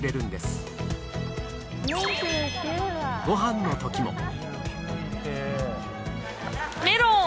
ごはんのときも。